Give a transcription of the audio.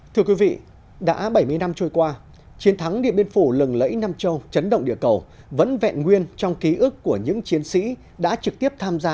thưa quý vị đã bảy mươi năm trôi qua chiến thắng điện biên phủ lừng lẫy nam châu chấn động địa cầu vẫn vẹn nguyên trong ký ức của những chiến sĩ đã trực tiếp tham gia